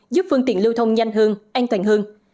giúp phương tiện lưu thông nhanh hơn an toàn hơn